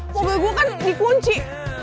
mobil gue kan dikunci